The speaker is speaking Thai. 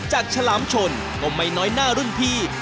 ฉลามชนก็ไม่น้อยหน้ารุ่นพี่